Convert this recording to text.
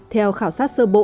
theo khảo sát sơ bộ